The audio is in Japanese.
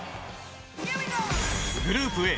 グループＡ